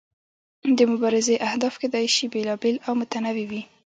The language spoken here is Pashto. د مبارزې اهداف کیدای شي بیلابیل او متنوع وي.